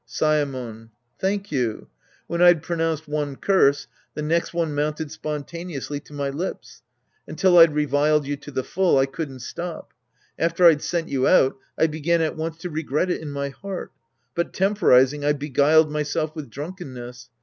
Saemon. Thank you. When I'd pronounced one curse, the next one mounted spontaneously to my lips. Until I'd reviled you to the full, I couldn't stop. After I'd sent you out, I began at once to regret it in my heart. But temporizing, I beguiled myself with drunkenness.